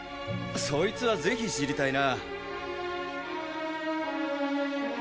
そいつはぜひ知りたいな！